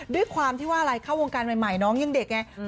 ด้วยความว่าอะไรเข้าวงการใหม่น้องยิ่งเด็กเนี่ย